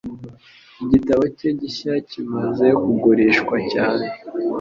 Igitabo cye gishya kimaze kugurishwa cyane.